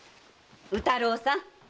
宇太郎さん